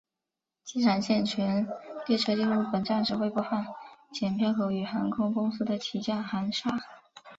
机场线全列车进入本站时会广播剪票口与航空公司的起降航厦。